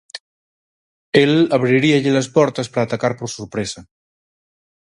El abriríalles as portas para atacar por sorpresa.